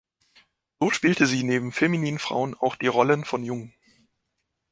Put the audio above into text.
So spielte sie neben femininen Frauen auch die Rollen von Jungen.